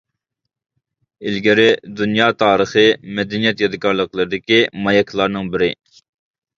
ئىلگىرى دۇنيا تارىخىي مەدەنىيەت يادىكارلىقلىرىدىكى ماياكلارنىڭ بىرى.